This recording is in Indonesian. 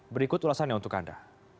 berikut ulasannya untuk anda